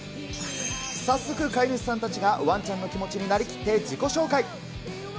早速、飼い主さんたちがワンちゃんの気持ちになりきって自己紹介。